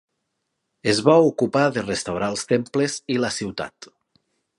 Es va ocupar de restaurar els temples i la ciutat.